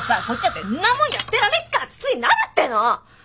こっちだってんなもんやってられっか！ってついなるっての！